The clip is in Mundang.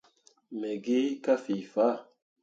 Me gi ka fii faa.